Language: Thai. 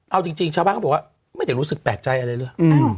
เอาจริงชาวบ้านเขาบอกว่าไม่ได้รู้สึกแปลกใจอะไรเลย